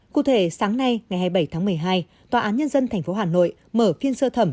cụ thể sáng nay ngày hai mươi bảy tháng một mươi hai tòa án nhân dân tp hà nội mở phiên sơ thẩm